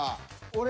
俺。